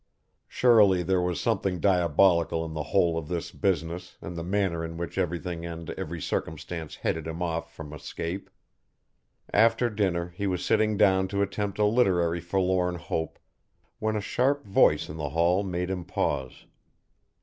Surely there was something diabolical in the whole of this business and the manner in which everything and every circumstance headed him off from escape. After dinner he was sitting down to attempt a literary forlorn hope, when a sharp voice in the hall made him pause.